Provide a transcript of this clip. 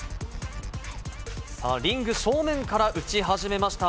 さあ、リング正面から打ち始めました。